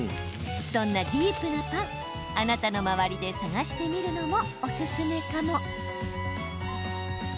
そんなディープなパンあなたの周りで探してみるのもおすすめかも。